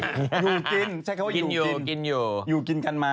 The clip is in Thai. อยู่กินใช่เขาว่าอยู่กิน